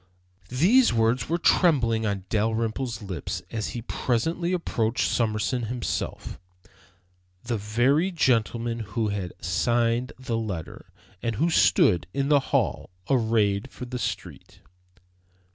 These words were trembling on Dalrymple's lips as he presently approached Summerson himself, the very gentleman who had signed the letter, and who stood in the hall, arrayed for the street.